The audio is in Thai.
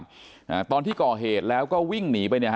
อ่าตอนที่ก่อเหตุแล้วก็วิ่งหนีไปเนี่ยฮ